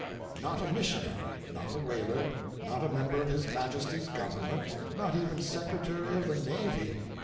Not a missionary! Not a whaler! not a member of his Majesty's Government! not even Secretary of the Navy!